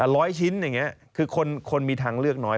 ร้อยชิ้นอย่างนี้คือคนมีทางเลือกน้อย